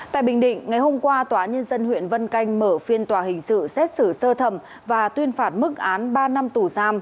tại bình định ngày hôm qua tòa nhân dân huyện vân canh mở phiên tòa hình sự xét xử sơ thẩm và tuyên phạt mức án ba năm tù giam